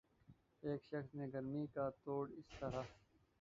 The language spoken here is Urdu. ایک شخص نے گرمی کا توڑ اس طرح